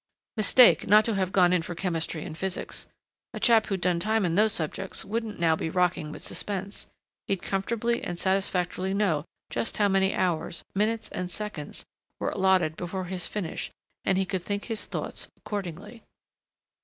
Mistake, not to have gone in for chemistry and physics. A chap who'd done time in those subjects wouldn't now be rocking with suspense; he'd comfortably and satisfactorily know just how many hours, minutes and seconds were allotted before his finish and he could think his thoughts accordingly.